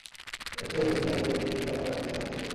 এর চেয়ে অধিক ন্যায় বিষয়ের প্রতি কি আপনার আকর্ষণ আছে?